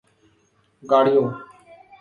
گاڑیوں